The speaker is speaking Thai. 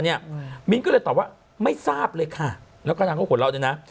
มิ้นก็เลยตอบว่าไม่ทราบเลยค่ะแล้วก็นางก็หัวเราเนี่ยนะ